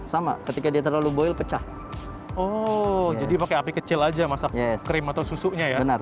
sama ketika dia terlalu boy pecah oh jadi pakai api kecil aja masak krim atau susunya ya